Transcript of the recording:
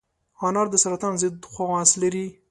انار د سرطان ضد خواص لري.